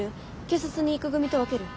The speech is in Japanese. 警察に行く組と分ける？